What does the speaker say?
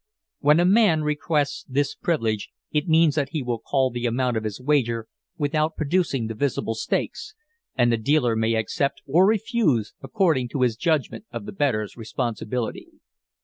When a man requests this privilege it means that he will call the amount of his wager without producing the visible stakes, and the dealer may accept or refuse according to his judgment of the bettor's responsibility.